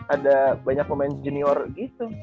ada banyak pemain junior gitu